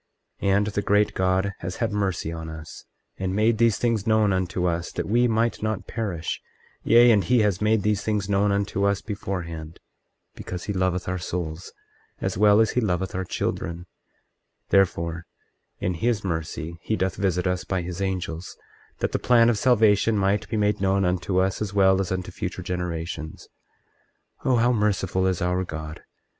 24:14 And the great God has had mercy on us, and made these things known unto us that we might not perish; yea, and he has made these things known unto us beforehand, because he loveth our souls as well as he loveth our children; therefore, in his mercy he doth visit us by his angels, that the plan of salvation might be made known unto us as well as unto future generations. 24:15 Oh, how merciful is our God!